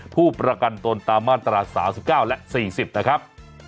ผู้ประกันตนตามมาตรา๓๙และ๔๐นะครับ